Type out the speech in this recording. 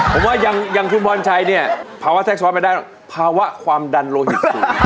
ผมว่าอย่างชุมพรชัยเนี่ยภาวะแทรกซ้อนไม่ได้ภาวะความดันโลหิตสูง